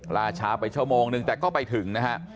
ลาช้าไปชั่วโมงนึงแต่ก็ไปถึงนะฮะ